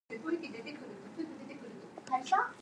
When he died he was the oldest serving officer in the army.